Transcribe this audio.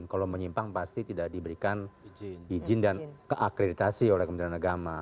kalau menyimpang pasti tidak diberikan izin dan keakreditasi oleh kementerian agama